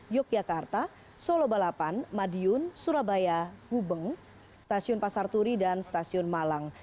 yogyakarta solo balapan madiun surabaya hubeng stasiun pasar turi dan stasiun malang